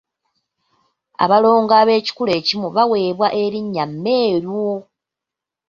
Abalongo ab’ekikula ekimu baweebwa elinnya Meeru.